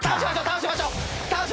倒しましょうか。